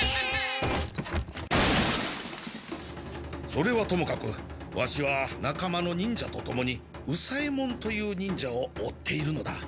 それはともかくワシはなかまの忍者とともに右左ヱ門という忍者を追っているのだ。